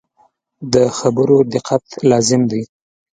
د خبرو دقت لازم دی.